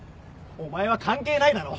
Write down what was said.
お前は関係ないだろ。